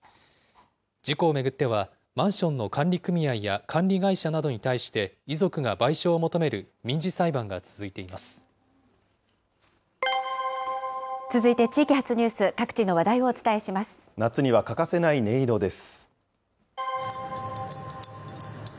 事故を巡っては、マンションの管理組合や管理会社などに対して、遺族が賠償を求める民事裁判が続続いて地域発ニュース、各地夏には欠かせない音色です。